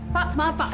pak maaf pak